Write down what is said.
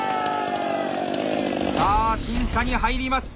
さあ審査に入ります！